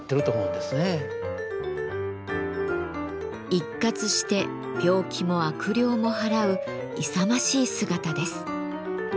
一喝して病気も悪霊も払う勇ましい姿です。